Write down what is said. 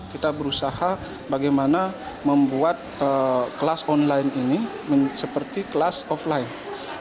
kita berusaha bagaimana membuat kelas online ini seperti kelas offline